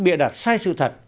bịa đặt sai sự thật